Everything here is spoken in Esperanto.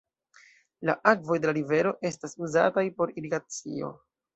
La akvoj de la rivero estas uzataj por irigacio.